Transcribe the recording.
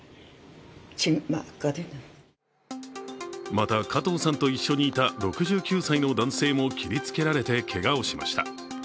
また加藤さんと一緒にいた６９歳の男性も切りつけられてけがをしました。